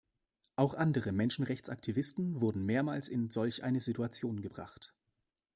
Auch andere Menschenrechtsaktivisten wurden mehrmals in solch eine Situation gebracht.